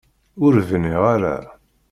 Ur bniɣ ara.